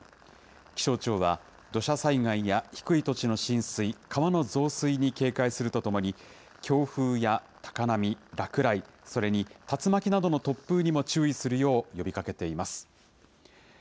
気象庁は、土砂災害や低い土地の浸水、川の増水に警戒するとともに、強風や高波、落雷、それに竜巻などの突風にも注意するよう呼びかけています。